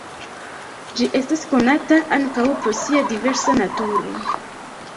Ĝi estas konata ankaŭ pro sia diversa naturo.